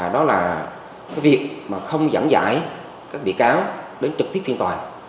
đó là việc không dẫn dạy các bị cáo đến trực tiếp phiên tòa